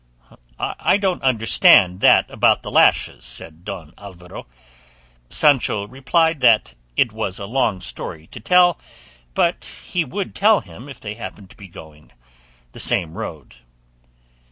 "I don't understand that about the lashes," said Don Alvaro. Sancho replied that it was a long story to tell, but he would tell him if they happened to be going the same road.